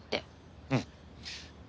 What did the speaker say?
うん。